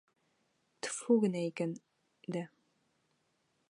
Тфү генә икән дә!